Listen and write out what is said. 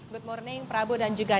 good morning prabu dan juga